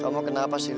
kamu kenapa sih li